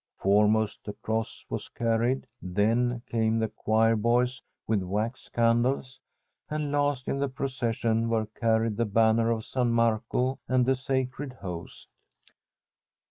Foremost the cross was carried, then came the choir boys with wax candles, and last in the procession were carried the banner of San Marco and the Sacred Host.